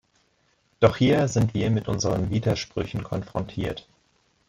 Doch hier sind wir mit unseren Widersprüchen konfrontiert.